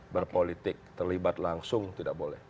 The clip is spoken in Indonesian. berpolitik terlibat langsung tidak boleh